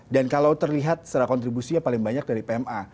dan kalau terlihat secara kontribusinya paling banyak dari pma